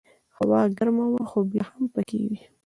هوا ګرمه وه خو بیا هم پکې وې.